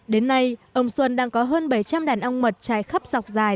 đến nay ông xuân đang có hơn bảy trăm linh đàn ông mật chạy khắp dọc dài